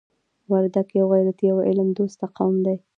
وردګ یو غیرتي او علم دوسته قوم دی.